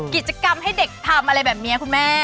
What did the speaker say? กิจกรรมให้เด็กทำอะไรแบบนี้คุณแม่